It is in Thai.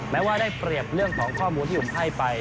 แม้ว่าได้เปรียบเรื่องของข้อมูลที่ผมให้ไป